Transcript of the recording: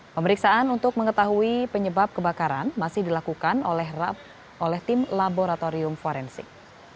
pemeriksaan untuk mengetahui penyebab kebakaran masih dilakukan oleh tim laboratorium forensik